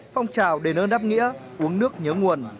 phong trào đề nơn đáp nghĩa uống nước nhớ nguồn